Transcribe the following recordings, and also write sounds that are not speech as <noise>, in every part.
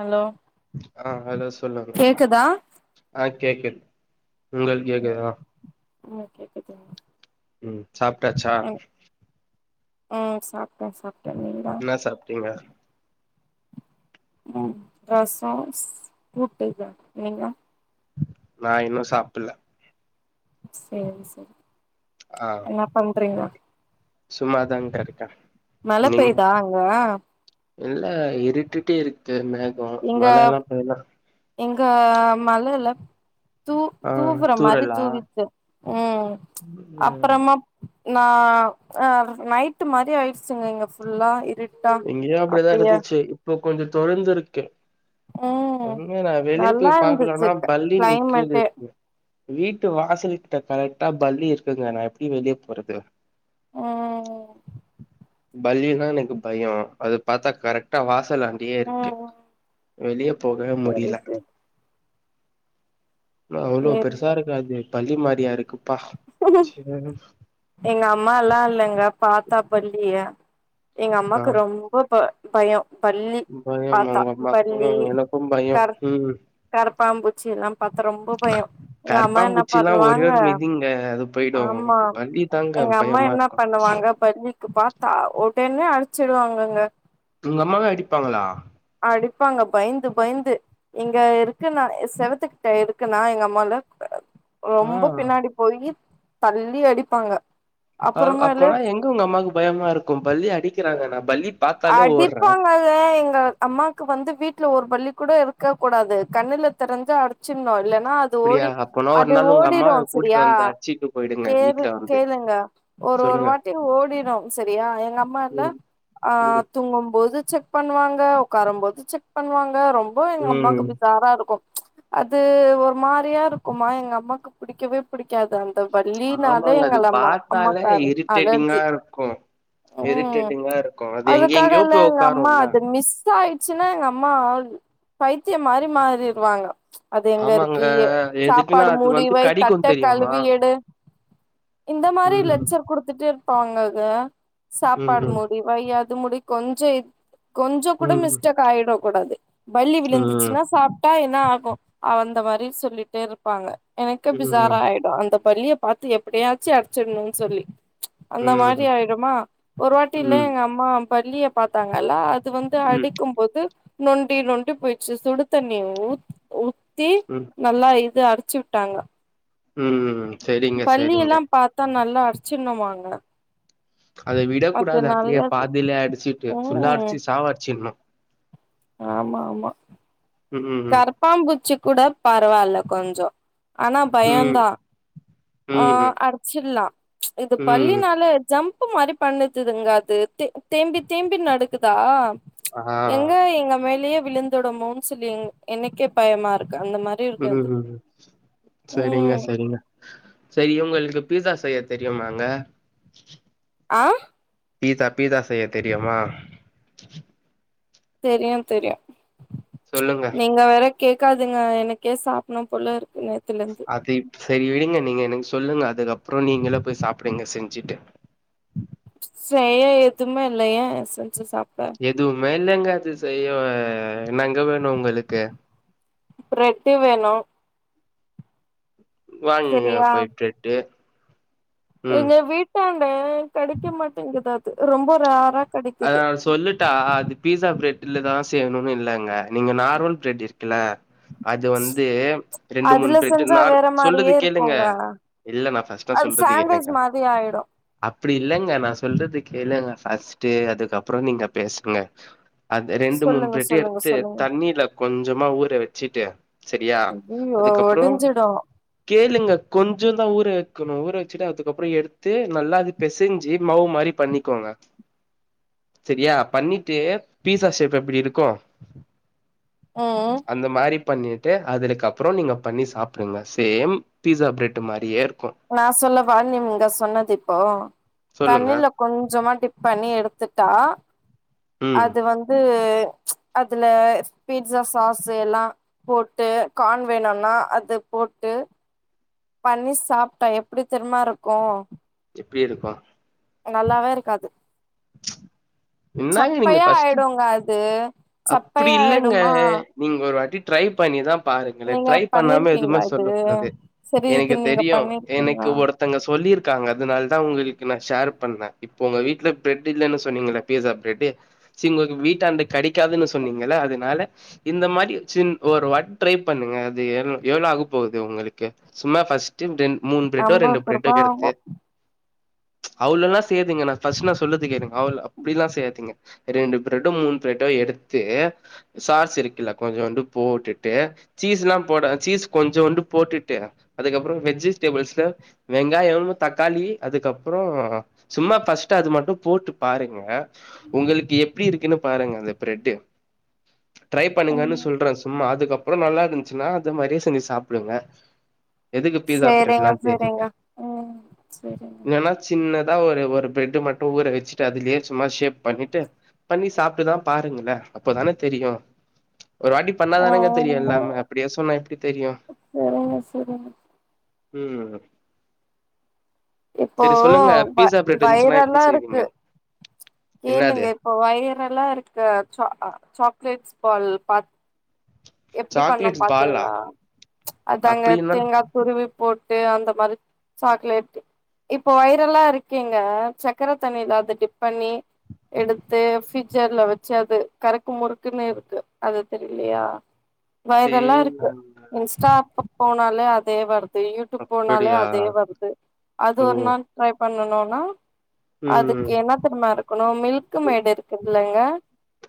Hello ஆ hello சொல்லுங்க கேக்குதா ஆ கேக்குது உங்களுக்கு கேக்குதா ம் ம் கேக்குதுங்க ம் சாப்ட்டாச்சா ம் ம் சாப்ட்ட சாப்ட்ட நீங்க என்ன சாப்பிட்டீங்க ம் ரசொ கூட்டு நீங்க நா இன்னு சாப்பில்ல சேரி சேரி உங்க அப்பா <unintelligible> சும்மாதாங்கருக்க மழ பெயுதா அங்க இல்ல இருட்டுட்டே இருக்கு மேகொ இங்க மழ எல்லாம் பேயல இங்க மழல்ல தூ ஆ தூவுற மாரி தூரலா தூவிச்சு ம் ம் அப்பறமா நா அ நைட்டு மாரி ஆயிடுச்சுங்க இங்க ஃபுல்லா இருட் இங்கேயு அப்டிதா இருந்துச்சு இப்போ கொஞ்சோ தொறந்துருக்கு ம் ஒன்னு நா வெளிய நல்லா போய் இருந்துச்சு பாக்கலானா க பல்லி நிக்குது கிளைமேட்டே வீட்டு வாசல்ட்ட கரெக்டா பல்லி இருக்குங்க நா எப்டி வெளியே போறது ஓ பல்லி னா எனக்கு பயொ அது பாத்தா கரெக்டா வாசலாண்டயே இருக்கு ம் வெளிய போகவே சரி முடியில சரி அவ்ளோ பெருசாருக்கு அது பல்லி மாரியா இருக்குப்பா அ <unintelligible> எங்க அம்மால்லா இல்லங்க பாத்தா பல்லிய எங்க ஆ அம்மாக்கு ரொம்ப ப பயொ பல்லி பயம் பாத்தா அவங்க அம்மாக்கு பல்லி எனக்கு பயோ கரப் ம் கரப்பாம்பூச்சி எல்லாம் பாத்தா ரொம்ப பயொ எங்க அம்மா என்ன பண்ணுவாங்க ஏ அது பேயிடு ஆமா பள்ளி தாங்க எங்க அம்மா பயமா என்ன இருக்கூ பண்ணுவாங்க பல்லிக்கு பாத்தா ஒடனே அடிச்சிருவாங்கங்க உங்க அம்மாவே அடிப்பாங்களா அடிப்பாங்க பயந்து பயந்து இங்க இருக்குன்னா செவத்து கிட்ட இருக்குன்னா எங்க அம்மால ஆ ரொம்ப பின்னாடி போயி தள்ளி அடிப்பாங்க அப்புறமேலு அப்போனா எங்க உங்க அம்மாக்கு பயமா இருக்கும் பல்லி அடிக்கிறாங்க நா பல்லி பாத்தாலே ஓடுறே அடிப்பாங்க அ து எங்க அம்மாக்கு வந்து வீட்ல ஒரு பல்லி கூட இருக்கக் கூடாது கண்ணுல தெரிஞ்சா அடிச்சிட்னு இல்லன்னா அ அது அப்டியா ஓடி அப்போனா ஒரு அது நாள் உங்க ஓடிடு அம்மாவ கூட்டிட்டு செரியா வந்து அடிச்சிட்டு போயிடுங்க கேது வீட்ல வந்து கேளுங்க ஒரு ஒரு சொல்லுங்க வாட்டி ஓடிடு செரியா எங்க அம்மால்ல ம் ஆ ம் தூங்கும் போது செக் பண்ணுவாங்க உக்காரும் போது செக் பண்ணுவாங்க ரொம் ப எங்க அம்மாக்கு ம் விதாரா இருக்கு அது ஒரு மாரியா இருக்குமா எங்க அம்மாக்கு புடிக்கவே பிடிக்காது அ ந்த பல்லினாலே ஆமாங்க. அது எங்கள் அம்மா பாத்தாலே அம்மாக்கார இரிட்டேட்டிங்கா அலர்ஜி இருக்கும். இரிட்டேட்டிங்கா இரு அதுக்காகல்ல எங்க அம்மா அது மிஸ் ஆயிச்சுன்னா எங்க அம்மா பைத்திய மாறி மாறிர்வாங்க அது எங்க ஆமாங்க. இருக்கு எதுக்குன்னா சாப்பாடு அது வந்து மூடிவை தட்ட கடிக்கும் தெரியுமா? கழுவி எடு இந்த மாரி ம். லட்சர் குடுத்துட்டே இருப்பாங்க அத சாப்பாடு ம். மூடிவை அது முடி கொஞ்ச கொஞ்ச கூட ம். மிஸ்டேக் ஆயிட கூடாது பல்லி ம். விழுந்துச்சுன்னா சாப் ட்டா என்ன ஆகு அந்த மாரி சொல்லிட்டே இருப்பாங்க எனக்கு ம். பிசாராயிடு அந்த பல்லிய பாத்து எப்படியாச்சு அடிச்சிட்னுனு சொல்லி ம். அந்த மாரி ம். ஆயடுமா ஒரு வாட்டி இல்ல ம். எங்க அம்மா பல்லிய பாத்தாங்கல்லா அது வந்து ம். அடிக்கும்போது நொண்டி நொண்டி போயிச்சு சுடு தண்ணி ஊத் ஊத்தி ஆ நல்லா இது அடிச்சு விட்டாங்க ம் சேரி பல்லி எல்லா பாத்தா நல்லா அடிச்சினுமாங்க அத விடக்கூடாது அப்டியே பாதிலே அடிச்சிட்டு ஃபுல்லா ம் அடிச்சு சாவடிச்சுட்னு ஆமா ஆமா ம் ஹு ம் பாம்புச்சி கூட பரவால்ல கொஞ்சோ ஆனா பயோந்தா ஆ ம். அடிச்சிட்லா இது ம். பல்லினால ஜம்ப்பு மாரி பண்ணதுதுங்க அது தே தேம்பி தேம்பி நடக்குதா ஆ. எங்க எங்க மேலயே விழுந்துடுமோனு சொல்லி எனக்கே பயமா இருக்கு அந்த மாரி இருக்கு அது ம்ம் செரிங்க ம் சரிங்க செரி இவுங்களுக்கு பீஸா செய்ய தெரியுமாங்க ஆ பீஸா பீஸா செய்ய தெரியுமா தெரியு தெரியு சொல்லுங்க நீங்க வேற கேக்காதுங்க எனக்கே சாப்பனு போல இருக்கு நேத்துலந்து அது இப் செரி விடுங்க நீங்க எனக்கு சொல்லுங்க அதுக்கப்புற நீங்களே போய் சாப்பிடுங்க போய் செஞ்சுட்டு செய்ய எதுமே இல்லையா செஞ்சு சாப்ட எதுமே இல்லங்க அது செய்ய என்னங்க வேணு உங்களுக்கு ப்ரெட்டு வேணு வாங்கங்க செரியா போய்ட்டுட்டு எங்க வீட்டாண்ட கெடைக்க மாட்டேங்குது அது ரொம்ப ரரா அதத சொல்லிட் டா அது பீஸா பிரெட்லதா செய்யணுனு இல்லங்க நீங்க நார்மல் பிரெட் இருக்குல அது வந்து ரெண்டு மூணு அதுல பிரெட்டு செஞ்சா நார் வேற மாரியே சொல்றத கேளுங்க இருக்குங்க இல்ல நா ஃபஸ்டா அது சொல்றத சாண்ட்விச் ஏளுங்க மாரி ஆயிடு அப்டி இல்லேங்க நா சொல்றது கேளுங்க ஃபஸ்ட்டு அதுக்கப்பறோ நீங்க பேசுங்க அது ரெண்டு மூணு சொல்லுங்க பிரெட் சொல்லுங்க எடுத்து சொல்லுங்க தண்ணில கொஞ்சமா ஊற வச்சுட்டு செரியா ஐயயோ அதுக்கப்றோ ஒடிஞ்சிடு கேளுங்க கொஞ்சோ தா ஊற வக்கணு ஊற வச்சுட்டு அதுக்கப்பறோ எடுத்து நல்லா அது பெசெஞ்சு மவு மாரி பண்ணிக்கோங்க செரியா பண்ணிட்டு பீஸா ஷேப் எப்டி இருக்கு ம் அந்த மாரிப் பண்ணிட்டு அதுலுக்கு அப்பறோ நீங்க பண்ணி சாப்டுங்க சேம் பீஸா பிரெட் மாரியே இருக்கு நா சொல்லவா நீங்க சொன்னது இப்போ சொல்லுங்க தண்ணில கொஞ்சமா டிப் பண்ணி எடுத்துட்டா ம் அது வந்து அதுல பீட்ஸா சாஸ்சு எல்லா போட்டு கான் வேணுனா அது போட்டு பண்ணி சாப்டா எப்டி தெரிம்மாருக்கு எப்டி இருக்கு நல்லாவே இருக்காது என்னங்க நீங்க சப்பையா ஃபஸ்ட்டு ஆயிடுங்க அது அப்டி சப்பையா இல்லங்க ஆயிடுமா நீங்க ஒரு வாட்டி ட்ரை பண்ணிதா பாருங்களே நீங்க ட்ரை பண்ணாம பண்ணிருப்பீங்களா எதுமே இது சொல்லகூடாது சரி இது எனக்கு நீங்க தெரியு பண்ணிருக்கீங்களா எனக்கு ஒடுத் தங்க சொல்லிருக்காங்க அதனால்தா உங்களுக்கு நா ஷேர் பண்ணே இப்போ ஒங்க வீட்ல பிரெட் இல்லனு சொன்னீங்கள பீசா ப்ரெட்டு சி ஒங்களுக்கு வீட்டாண்ட கெடக்காதுனு சொன்னீங்கள அதுனால இந்த மாரி சின் ஒரு வாட் ட்ரை பண்ணுங்க அது எர எவ்ளோ ஆக போகுது உங்களுக்கு சும்மா ஃபஸ்ட்டு டென் மூணு பிரெட்டோ ரெண்டு ஐம்பது பிரெட்ட ரூபா எடுத்து <inaudible> அவ்ளோல்லா செய்யாதீங்க நா ஃபஸ்ட்டு நா சொல்றது கேளுங்க அவ்ளோ அப்டில்லா செய்யாதீங்க ரெண்டு பிரெட்டு மூணு பிரெட் டோ எடுத்து சார்ஸ் இருக்குல கொஞ்சோண்டு போட்டுட்டு சீஸ் எல்லா போட சீஸ் கொஞ்சோண்டு போட்டுட்டு அதுக்கப்பறோ வெஜிஸ்டேபிள்ஸ்ல வெங்காயமு தக்காளி அதுக்கப்பறோ சும்மா ஃபஸ்ட்டு அது மட்டு போட்டு பாருங்க உங்களுக்கு எப்டி இருக்குனு பாருங்க அந்த பிரெட்டு ட்ரை பண்ணுங்கனு ம் சொல்றே சும்மா அதுக்கப் பறோ நல்லா இருந்ச்சுனா அது மாரியே செஞ்சு சாப்பிடுங்க எதுக்கு பீஸா சரிங்க பிரெட்ல்லா தேடுரீங்க சரிங்க ம் சரிங்க ஏனக் சின்னதா ஒரு ஒரு பிரெட்டு மட்டு ஊற வச்சுட்டு அதுலயே சும்மா ஷேப் பண்ணிட்டு பண்ணி சாப்டுதா பாருங்களே அப்பதான தெரியு ஒரு வாட்டி பண்ணாதானங்க தெரியு ம் எல்லாமே அப்டியே சொன்னா எப்டி தெரியு சரிங்க சரிங்க ம் இப்போ செரி சொல்லுங்க வ பீஸா பிரெட்டு இருந்ச்சுனா எப்டி வைரலா செய்வீங்க இருக்கு கேளுங்க என்னது இப்போ வைரெல்லா இருக்க சா சாக்லேட்ஸ் பால் பா எப்டி பண்ணோ சாக்லேட் பாலா பாத்தீங்களா அதாங்க அப்டின்னா தேங்கா துருவி போட்டு அந்த மாரி சாக்லேட்டு இப்போ வைரலா இருக்கேங்க சக்கர தண்ணில அத டிப் பண்ணி எடுத்து ஃப்பிஜர்ல வச்ச அது கரக்கு முறுக்குனு இருக்கு அது தெரிலியா வைரலா இருக்கு தெரியலங்க இன்ஸ்டா பக்கோ போனாலே அதே வரு யூடியூப் போனாலே அப்படியா அதே வருது அது ஓ ஒரு நாள் ட்ரை பண்ணனுனா அதுக்கு ம் என்ன தெரிமா இருக்கணு மில்க்கு மேடு இருக்குதுல்லங்க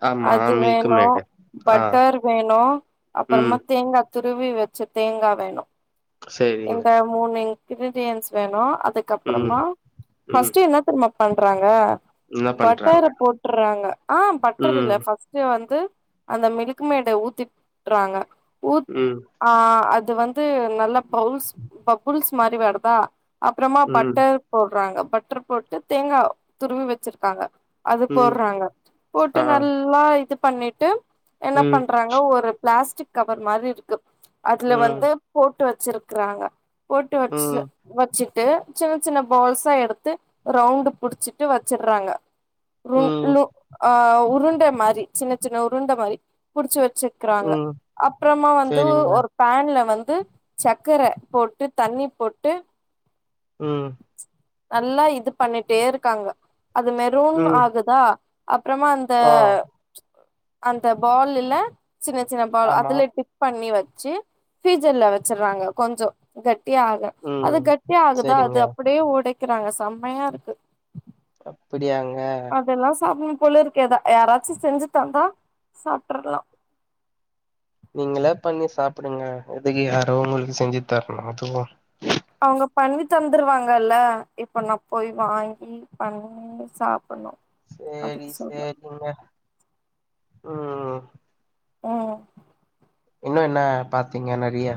ஆமா அது மில்க் வேணு மேடு ஆ பட்டர் வேணு அப்பறமா ம் தேங்கா துருவி வச்ச தேங்கா வேணு சரிங்க இந்த மூணு இன்கிரீடியன்ஸ் வேணு அதுக் ம் க்கப்பறமா ம் ஃபர்ஸ்ட் என்ன தெரிமா பண்றாங்க என்ன பட்டர பண்றாங்க போட்டுறாங்க ஆ பட்டர் இல்ல ம் ஃபர்ஸ்ட் வந்து அந்த மில்க் மேட ஊத்தி விட்டுறாங்க ஊத் ம் ஆ அது வந்து நல்ல பவுல்ஸ் பபுல்ஸ் மாரி வருதா அப்பறமா ம் பட்டர் போடுறாங்க பட்டர் போட்டு தேங்கா துருவி வச்சிருக்காங்க அது ம் போடுறாங்க போட்டு ஆ நல்லா இது பண்ணிட்டு என்ன ம் பண்றாங்க ஒரு பிளாஸ்டிக் கவர் மாரி இருக்கு அதுல ம் வந்து போட்டு வச்சிருக்றாங்க போட்டு வச்சு ம் வச்சு ட்டு சின்ன சின்ன பால்ஸா எடுத்து ரௌண்ட் புடிச்சிட்டு வச்சுடுறாங்க ரு ம் னு ஆ உருண்ட மாரி சின்ன சின்ன உருண்டை மாரி புடிச்சு வச்சு றாங்க ம் அப்பறமா வந்து சேரிங்க ஒரு பேன்ல வந்து சக்கர போட்டு தண்ணி போட்டு ம் நல்லா இது பண்ணிட்டேருக்காங்க அது மெரூன் ம் ஆகுதா அப்றமா அந் த ஆ அந்த பால் இல்ல சின்ன சின்ன பால் ஆமா அதலெட்டு பண்ணி வச்சு ஃப்ரீஜர்ல்ல வச்சர்றாங்க கொஞ்சோ கெட்டியாக அது ம் கட் ஆகுதா சேரிங்க அது அப்டியே ஒடைக்கறாங்க செம்மையாருக்கு அப்டியாங்க அப்படியெல்லா சாப்ட்னு போலருக்கு எதா யாராச்சு செஞ்சு தந்தா சாப்ட்ர்லா நீங்களா பண்ணி சாப்டுங்க எதுக்கு யாரோ உங்ளுக்கு செஞ்சு தர்னு அதுவு அவங்க பண்ணி தந்துருவாங்கல்ல இப்ப நான் போய் வாங்கி பண்ணி சாப்பிட்ணு செரி செரிங்க ம் ம் இன்னு என்னா பாத்தீங்க நெறய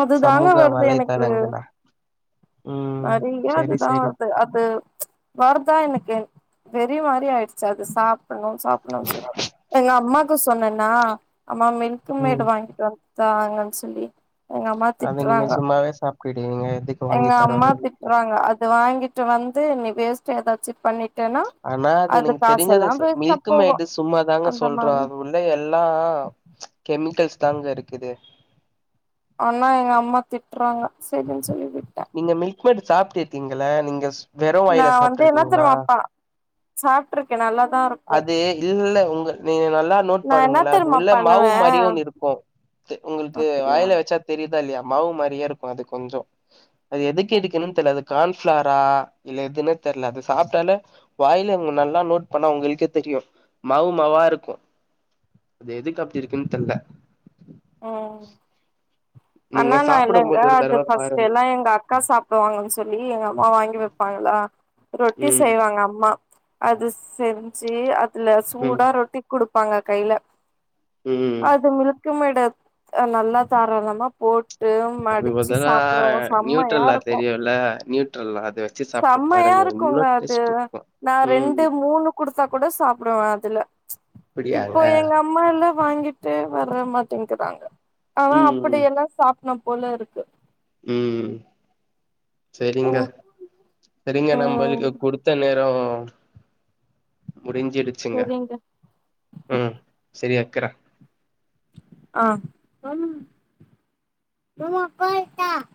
அதுதாங்க சமூக வருது வலைத்தளங்கள நெறய அதுதா அது அது வருதா எனக்கு வெறி மாரி ஆய்டுச்சு அது சாப் சாப்புட்ணுன் சொல்லி எங்க அம்மாக்கு சொன்னன்னா அம்மா மில்க் மேட் ம் வாங்கிட்டு வா தாங்கன் சொல்லி எங்க அம்மா அது நீங்க திட்றாங்க சும்மாவே சாப்ட்டுடிவீங்க எதுக்கு வாங்கி தரனு றாங்க அது வாங்கிட்டு வந்து நீ வேஸ்ட் எதாச்சு பண்ணி ஆனா அது எனக்கு தெரிஞ்சத சொல் வேஸ்டா மில்கு போகு மெய்டு சும்மாதாங்க அந்த சொல்ற மாரி அது உள் ள எல்லா கெமிக்கல்ஸ் தாங்க இருக்குது ஆனா எங்க அம்மா திட்றாங்க சரின் சொல்லி விட்ட நீங்க மில்க் மேடு சாப்ட்ருக்கீங்கள நீங்க ஸ் நா வந்து என்னாத்தருவப்பா சாப்ட்ருக்க நல்லாதாருக்கு அது இல்ல உங்க நீங்க நல்லா நோட் நா என்ன பண்ணுங்கள அது தெரியுமா உள்ள மாவு பண்ணுவே மாரியு ஒன்னு இருக்கு த்து உங்ளுக்கு அப்டியா வாய்ல வச்சா தெரிதா இல்லயா மாவு மாரியேருக்கு அது கொஞ்சோ அது எதுக்கு எடுக்கனு தெர்ல அது கான்ஃப்ளாரா இல்ல எதுனே தெர்ல அது சாப்டாலே வாய்ல இவுங்க நல்லா நோட் பண்ணா உங்கள் க்கே தெரியு மாவு மாவாருக்கு இது எதுக்கு அப்டியி ருகுனு தெர்ல ம் அண்ணா நீங்க ன்னா இல்லங்க சாப்பிடும்போது ஒரு அது தடவ ஃபர்ஸ்ட் பாருங்க டெல்லா எங்க அக்கா சாப் புவாங்கன்னு சொல்லி எங்க அம்மா வாங்கி வப்பாங்களா ரொட்டி ம் செய்வாங்க அம்மா அது செஞ்சு அதுல ம் சூடா ரொட்டி குடுப்பாங்க கைல ம் அது மில்க்கு மெய்டத் நல்லாத் தாராளமா போட் டு அது மடிச்சு பதிலா சாப்டுவோ நியூட்ரல்லா செம்மையாருக்கு தெரியுல்ல நியூட்ரல்லா அத வச்சு சாப்ட்டு பாருங்க செம்மையாருக்குங்க இன்னு அது டேஸ்ட் இருக்கு நா ம் ரெண்டு மூணு குடுத்தா கூட சாப்டுவே அதுல அப்படியாங்க இப்போ எங்க அம்மால்லா வாங்கிட்டே வர மாட் டேங்கறாங்க ஆனா ம் அப்டியெல்லா சாப்டுனு போலருக்கு ம் செரிங்க ம் செரிங்க ம் நம்பள்கு குடுத்த நே ரோ முடிஞ்சிரு ச்சுங்க சரிங்க ம் சரி வெக்கிரே ஆ அம் <unintelligible>